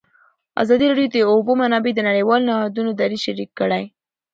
ازادي راډیو د د اوبو منابع د نړیوالو نهادونو دریځ شریک کړی.